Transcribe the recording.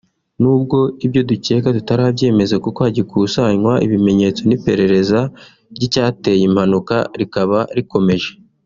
Nubwo ibyo dukeka tutarabyemeza kuko hagikusanywa ibimenyetso n'iperereza ry'icyateye impanuka rikaba rikomeje